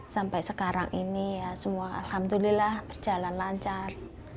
sampai sekarang ini ya semua alhamdulillah berjalan lancar